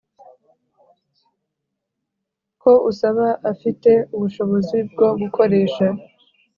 ko usaba afite ubushobozi bwo gukoresha